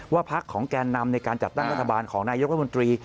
พักของแกนนำในการจัดตั้งรัฐบาลของนายกรัฐมนตรี